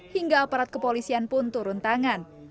hingga aparat kepolisian pun turun tangan